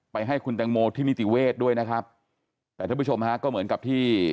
ให้คุณแตงโมที่นิติเวทด้วยนะครับแต่ท่านผู้ชมฮะก็เหมือนกับที่